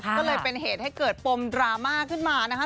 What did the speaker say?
ก็เลยเป็นเหตุให้เกิดปมดราม่าขึ้นมานะคะ